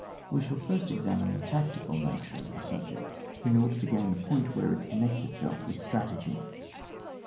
We shall first examine the tactical nature of the subject; in order to gain the point where it connects itself with strategy.